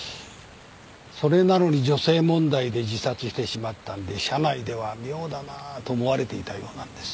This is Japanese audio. それなのに女性問題で自殺してしまったんで社内では妙だなと思われていたようなんです。